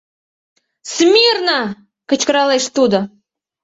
— Смирно-о! — кычкыралеш тудо.